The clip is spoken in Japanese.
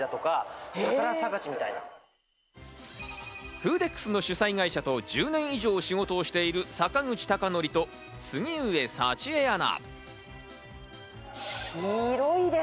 フーデックスの主催会社と、１０年以上仕事をしている坂口孝則と杉上佐智枝アナ。